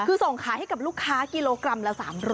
ขายให้กับลูกค้ากิโลกรัมละ๓๐๐บาท